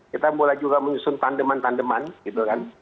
kita mulai juga menyusun tandeman tandeman gitu kan